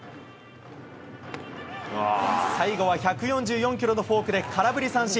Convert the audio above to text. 最後は１４４キロのフォークで空振り三振。